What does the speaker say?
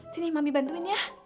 sini mami bantuin ya